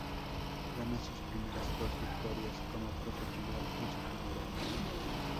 Gana sus primeras dos victorias como profesional en su primer año.